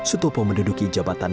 bppt sutopo menduduki jabatan